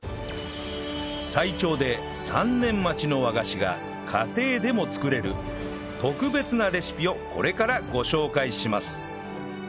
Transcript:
最長で３年待ちの和菓子が家庭でも作れる特別なレシピをこれからご紹介します